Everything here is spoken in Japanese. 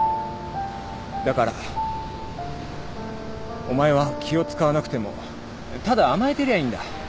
だからお前は気を使わなくてもただ甘えてりゃいいんだ。